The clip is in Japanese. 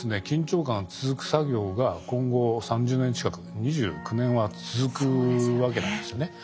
緊張感が続く作業が今後３０年近く２９年は続くわけなんですよね。